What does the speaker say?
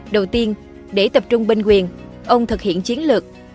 đầu tiên để tập trung binh quyền ông thực hiện chiến lược